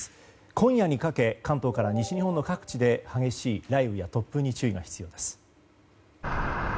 今夜にかけ関東から西日本の各地で激しい雷雨や突風に注意が必要です。